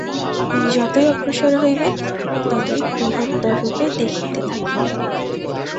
যতই অগ্রসর হইবেন, ততই বৃহত্তররূপে দেখিতে থাকিবেন।